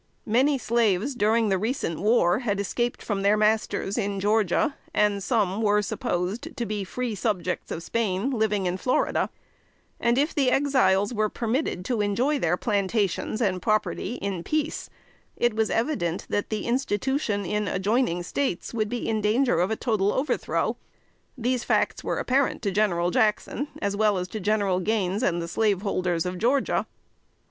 Many slaves during the recent war had escaped from their masters, in Georgia, and some were supposed to be free subjects of Spain, living in Florida; and if the Exiles were permitted to enjoy their plantations and property in peace, it was evident that the institution in adjoining States would be in danger of a total overthrow. These facts were apparent to General Jackson, as well as to General Gaines and the slaveholders of Georgia.